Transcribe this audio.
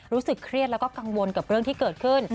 รู้สึกเครียดแล้วก็กังวลกับเรื่องที่เกิดขึ้น